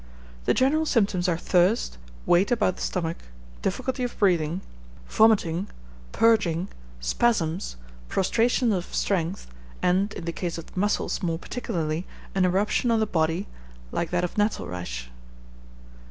The general symptoms are thirst, weight about the stomach, difficulty of breathing, vomiting, purging, spasms, prostration of strength, and, in the case of mussels more particularly, an eruption on the body, like that of nettle rash.